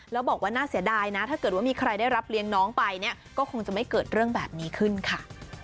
แล้วบอกว่าน่าเสียดายนะถ้าเกิดว่ามีใครได้รับเลี้ยงน้องไปเนี่ยก็คงจะไม่เกิดเรื่องแบบนี้ขึ้นค่ะ